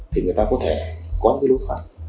thì người ta có thể có cái lối thoát